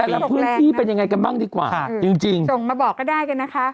แล้วตกปีตกแรงจริงส่งมาบอกก็ได้กันนะคะ